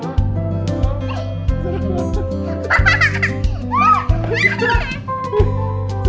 total satu keren sebenernya du cosa rats